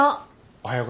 おはよう。